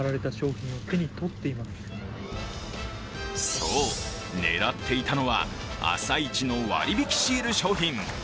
そう、狙っていたのは朝一の割引シール商品。